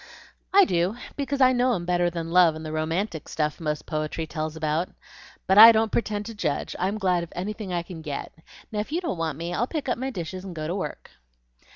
"I do, because I know 'em better than love and the romantic stuff most poetry tells about. But I don't pretend to judge, I'm glad of anything I can get. Now if you don't want me I'll pick up my dishes and go to work."